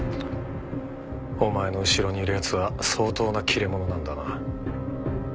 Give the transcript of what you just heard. お前の後ろにいる奴は相当な切れ者なんだな。